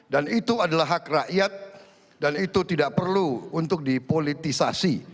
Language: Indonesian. dan itu adalah hak rakyat dan itu tidak perlu untuk dipolitisasi